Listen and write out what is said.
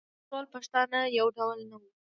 موږ ټول پښتانه یو ډول نه یوو.